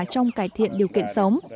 trong cải thiện điều kiện sống